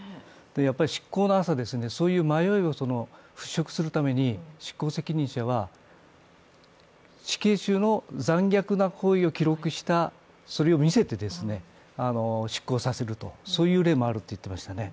やっぱり執行の朝、そういう迷いを払拭するために執行責任者は死刑囚の残虐な行為を記録を見せて執行させると、そういう例もあると言っていましたね。